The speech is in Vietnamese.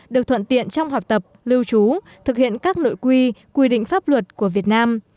được thuận tiện trong học tập lưu trú thực hiện các nội quy quy định pháp luật của việt nam